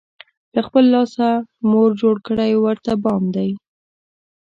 له خپل لاسه، مور جوړ کړی ورته بام دی